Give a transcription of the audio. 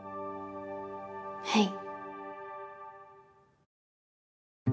はい。